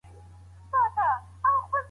په لاس لیکل د خوبونو د تعبیرولو لاره ده.